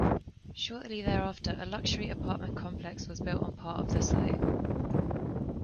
Shortly thereafter a luxury apartment complex was built on part of the site.